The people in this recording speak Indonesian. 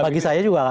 bagi saya juga